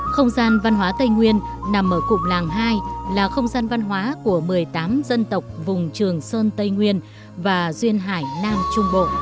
không gian văn hóa tây nguyên nằm ở cụm làng hai là không gian văn hóa của một mươi tám dân tộc vùng trường sơn tây nguyên và duyên hải nam trung bộ